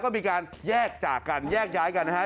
ก็มีการแยกจากกันแยกย้ายกันนะฮะ